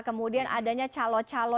kemudian adanya calon calon